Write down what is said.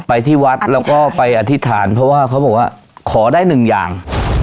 ไปที่วัดแล้วก็ไปอธิษฐานเพราะว่าเขาบอกว่าขอได้หนึ่งอย่าง